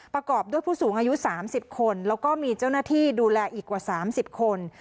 ประกอบด้วยผู้สูงอายุ๓๐คนแล้วก็มีเจ้าหน้าที่ดูแลอีกกว่า๓๐คน